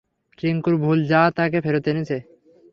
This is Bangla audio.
রিংকুর ভুল যা তাকে ফেরত এনেছে।